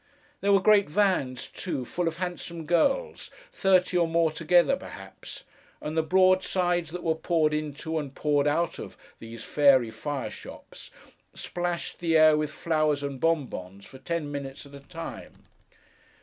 There were great vans, too, full of handsome girls—thirty, or more together, perhaps—and the broadsides that were poured into, and poured out of, these fairy fire shops, splashed the air with flowers and bon bons for ten minutes at a time.